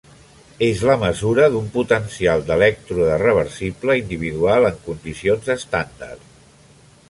És la mesura d'un potencial d'elèctrode reversible individual, en condicions estàndard.